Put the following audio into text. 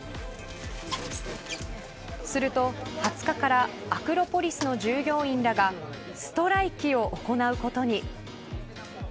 すると、２０日からアクロポリスの従業員らがストライキを行うことに。